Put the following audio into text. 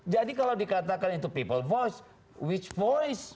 jadi kalau dikatakan itu people voice which voice